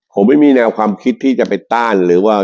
ผมไม่มีแนวความคิดที่จะไปต้านหรือว่า